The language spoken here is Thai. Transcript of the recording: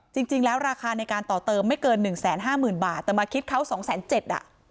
จริงแล้วราคาในการต่อเติมไม่เกิน๑๕๐๐๐๐บาทแต่มาคิดเขา๒๗๐๐๐๐บาท